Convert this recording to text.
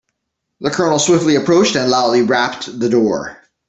The colonel swiftly approached and loudly rapped the door.